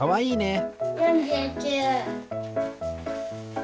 いいね！